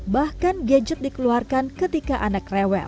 bahkan gadget dikeluarkan ketika anak rewel